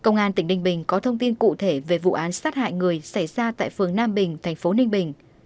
công an tỉnh ninh bình có thông tin cụ thể về vụ án sát hại người xảy ra tại phường nam bình thành phố ninh bình